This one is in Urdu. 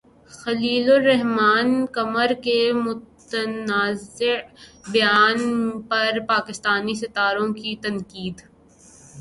خلیل الرحمن قمر کے متنازع بیان پر پاکستانی ستاروں کی تنقید